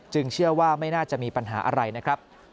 เชื่อว่าไม่น่าจะมีปัญหาอะไรนะครับ